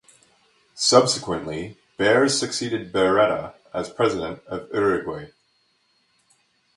Subsequently, Berres succeeded Berreta as President of Uruguay.